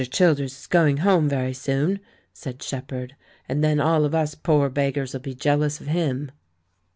Childers is going Home very soon," said Shepherd, "and then all of us poor beggars'U be jealous of him."